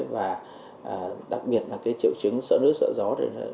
và đặc biệt là cái triệu chứng sợ nước sợ gió